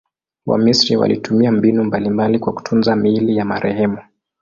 Wamisri walitumia mbinu mbalimbali kwa kutunza miili ya marehemu.